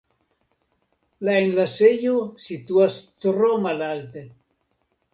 La enlasejo situas tro malalte.